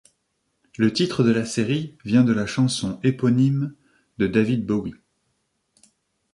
Le titre de la série vient de la chanson éponyme de David Bowie.